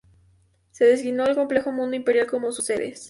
Se designó al complejo Mundo Imperial como sus sede.